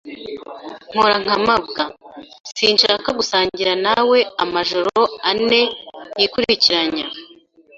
Nkora nka mabwa. Sinshaka gusangira nawe amajoro ane yikurikiranya.